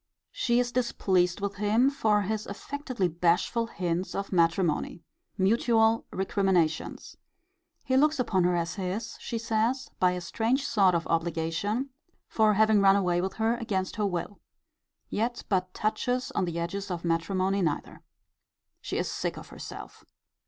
She is displeased with him for his affectedly bashful hints of matrimony. Mutual recriminations. He looks upon her as his, she says, by a strange sort of obligation, for having run away with her against her will. Yet but touches on the edges of matrimony neither. She is sick of herself.